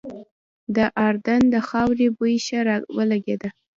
د اردن د خاورې بوی ښه را ولګېده.